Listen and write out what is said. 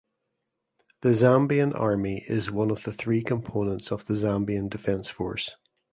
The Zambian Army is one of the three components of the Zambian Defence Force.